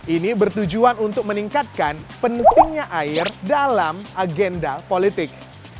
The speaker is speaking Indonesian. ini bertujuan untuk meningkatkan pentingnya air dalam agenda politik